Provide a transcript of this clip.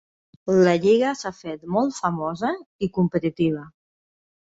La lliga s'ha fet molt famosa i competitiva.